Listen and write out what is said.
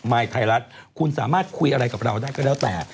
ยไทยรัฐคุณสามารถคุยอะไรกับเราได้ก็แล้วแต่